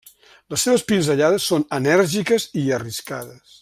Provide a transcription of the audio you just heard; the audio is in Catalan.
Les seves pinzellades són enèrgiques i arriscades.